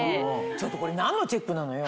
ちょっとこれ何のチェックなのよ。